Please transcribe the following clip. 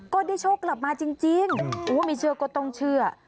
ก็ได้โชคกลับมาจริงไม่เชื่อก็ต้องเชื่อ